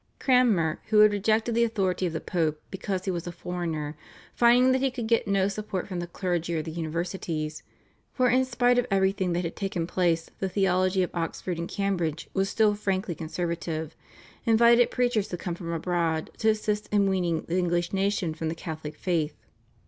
Cranmer, who had rejected the authority of the Pope because he was a foreigner, finding that he could get no support from the clergy or the universities for in spite of everything that had taken place the theology of Oxford and Cambridge was still frankly conservative invited preachers to come from abroad to assist in weaning the English nation from the Catholic faith.